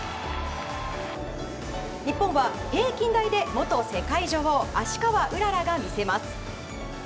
日本は平均台で、元世界女王芦川うららが見せます。